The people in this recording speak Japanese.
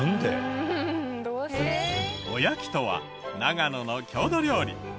おやきとは長野の郷土料理。